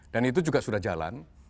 dan itu juga sudah jalan